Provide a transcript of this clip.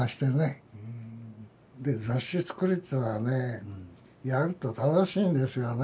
で雑誌作りっていうのはねやると楽しいんですよね。